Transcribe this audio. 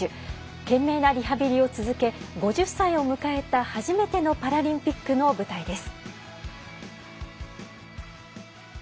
懸命なリハビリを続け５０歳を迎えた初めてのパラリンピックの舞台です。